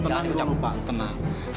tenang jangan lupa tenang